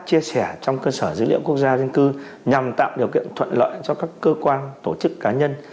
chia sẻ trong cơ sở dữ liệu quốc gia dân cư nhằm tạo điều kiện thuận lợi cho các cơ quan tổ chức cá nhân